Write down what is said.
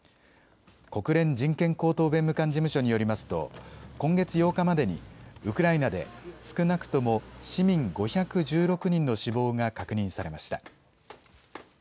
国連人権高等弁務官事務所によりますと今月８日までにウクライナで少なくとも市民５１６人の死亡が確認されました。